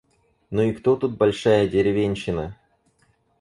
«Ну и кто тут большая деревенщина?»